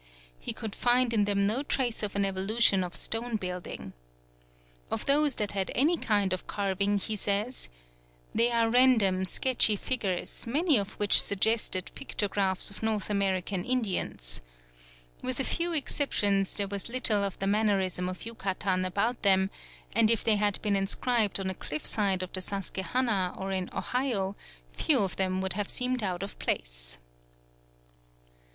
He could find in them no trace of an evolution of stone building. Of those that had any kind of carving, he says "they are random, sketchy figures, many of which suggested pictographs of North American Indians. With a few exceptions there was little of the mannerism of Yucatan about them; and if they had been inscribed on a cliff side on the Sasquehana or in Ohio, few of them would have seemed out of place."